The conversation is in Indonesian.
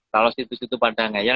kalau situ situ pada ngeyel